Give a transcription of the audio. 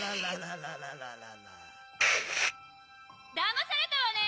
・だまされたわね！